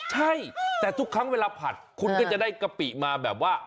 ใช่แต่ทุกครั้งเวลาผัดคุณก็จะได้กะปิมาแบบว่า